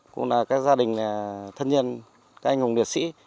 cũng là các gia đình thân nhân các anh hùng liệt sĩ